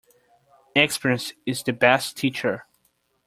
Experience is the best teacher.